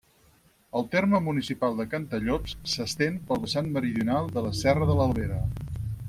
El terme municipal de Cantallops s'estén pel vessant meridional de la serra de l'Albera.